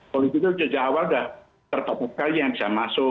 polisi itu sudah awal sudah terbuka sekali yang bisa masuk